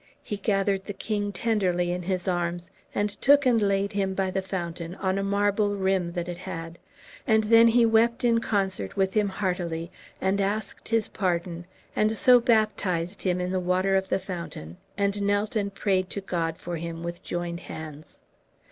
He gathered the king tenderly in his arms, and took and laid him by the fountain, on a marble rim that it had, and then he wept in concert with him heartily, and asked his pardon, and so baptized him in the water of the fountain, and knelt and prayed to God for him with joined hands.